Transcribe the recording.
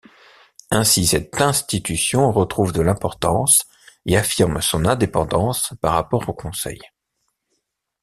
Ainsi cette institution retrouve de l'importance et affirme son indépendance par rapport au conseil.